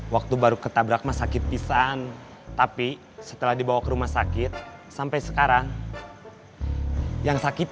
waktu baru ketabrak mas sakit pisan tapi setelah dibawa ke rumah sakit sampai sekarang yang sakit